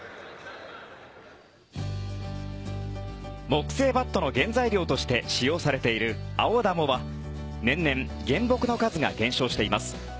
木製バットの原材料として使用されているアオダモは年々、原木の数が減少しています。